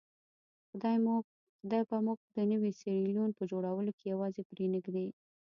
خدای به موږ د نوي سیریلیون په جوړولو کې یوازې پرې نه ږدي.